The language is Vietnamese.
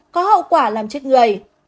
có hậu quả làm chết người